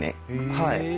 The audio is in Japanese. はい。